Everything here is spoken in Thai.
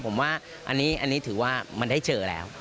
ผมว่าอันนี้ถือว่ามันได้เจอแล้ว